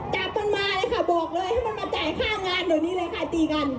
จับมันมาเลยค่ะบอกเลยให้มันมาจ่ายค่างานเดี๋ยวนี้เลยค่ะตีกัน